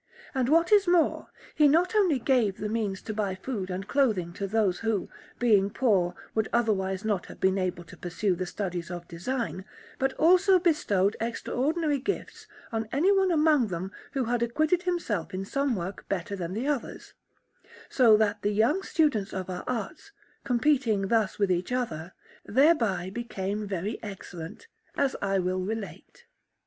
And what is more, he not only gave the means to buy food and clothing to those who, being poor, would otherwise not have been able to pursue the studies of design, but also bestowed extraordinary gifts on any one among them who had acquitted himself in some work better than the others; so that the young students of our arts, competing thus with each other, thereby became very excellent, as I will relate.